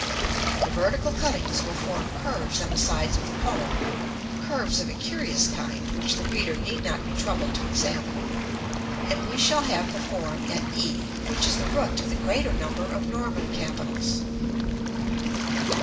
The vertical cuttings will form curves on the sides of the cone (curves of a curious kind, which the reader need not be troubled to examine), and we shall have the form at e, which is the root of the greater number of Norman capitals.